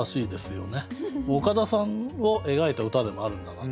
岡田さんを描いた歌でもあるんだなって。